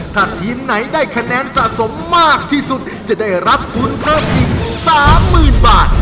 ถ้าทีมไหนได้คะแนนสะสมมากที่สุดจะได้รับทุนเพิ่มอีก๓๐๐๐บาท